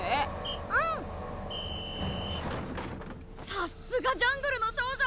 さっすがジャングルの少女！